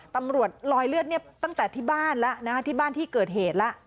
รอยเลือดเนี่ยตั้งแต่ที่บ้านแล้วนะที่บ้านที่เกิดเหตุแล้ว